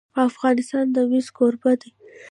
افغانستان د مس کوربه دی.